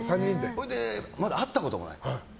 それでまだ会ったこともない。